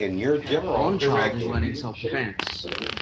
Blond child is learning self deference.